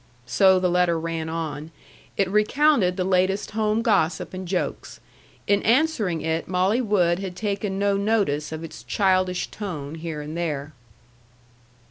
So the letter ran on. It recounted the latest home gossip and jokes. In answering it Molly Wood had taken no notice of its childish tone here and there.